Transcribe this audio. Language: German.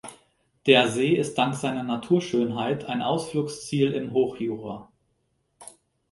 Der See ist dank seiner Naturschönheit ein Ausflugsziel im Hochjura.